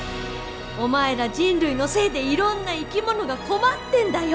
お前ら人類のせいでいろんな生き物が困ってんだよ。